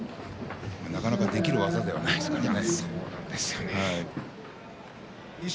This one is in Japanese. なかなかできる技ではないですからね。